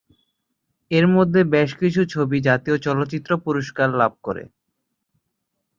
এর মধ্যে বেশ কিছু ছবি জাতীয় চলচ্চিত্র পুরস্কার লাভ করে।